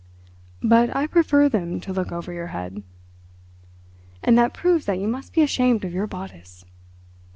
"But I prefer them to look over your head." "And that proves that you must be ashamed of your bodice."